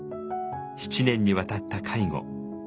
７年にわたった介護。